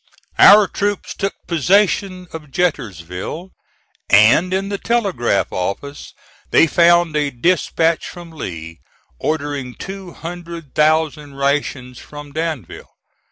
Our troops took possession of Jetersville and in the telegraph office, they found a dispatch from Lee, ordering two hundred thousand rations from Danville.